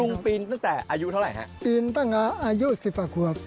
ลุงปีนตั้งแต่อายุเท่าไรครับปีนตั้งแต่อายุ๑๐บาทครับ